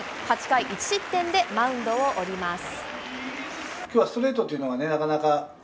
８回１失点でマウンドを降ります。